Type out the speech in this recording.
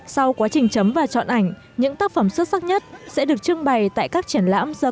sau quá trình chấm và chọn ảnh những tác phẩm xuất sắc nhất sẽ được trưng bày tại các triển lãm